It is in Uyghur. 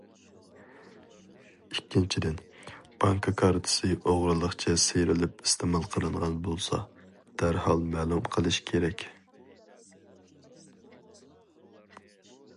ئىككىنچىدىن، بانكا كارتىسى ئوغرىلىقچە سىيرىپ ئىستېمال قىلىنغان بولسا دەرھال مەلۇم قىلىش كېرەك.